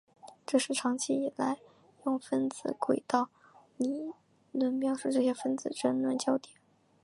这是长期以来用分子轨道理论描述这些分子的争论焦点。